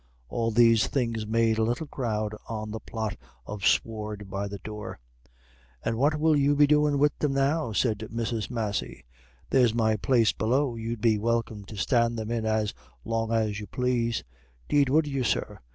All these things made a little crowd on the plot of sward by the door. "And what will you be doin' wid them now?" said Mrs. Massey. "There's my place below you'd be welcome to stand them in as long as you plase. 'Deed would you, sir.